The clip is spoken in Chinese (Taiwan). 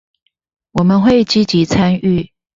我們會積極參與